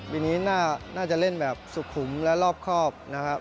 ปีนี้น่าจะเล่นแบบสุขุมและรอบครอบนะครับ